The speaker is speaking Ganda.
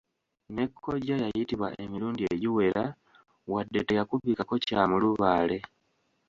Ne kkojja yayitibwa emirundi egiwera, wadde teyakubikako kya mulubaale.